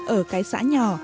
ở cái xã nhỏ